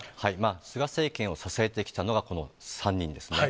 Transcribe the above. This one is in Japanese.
菅政権を支えてきたのがこの３人ですね。